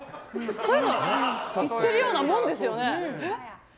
そういうの言ってるようなもんですよね。